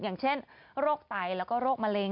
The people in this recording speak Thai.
อย่างเช่นโรคไตแล้วก็โรคมะเร็